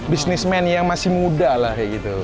bisnismen yang masih muda lah kayak gitu